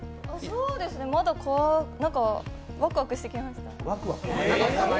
まだ怖くない、ワクワクしてきました。